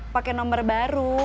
pakai nomor baru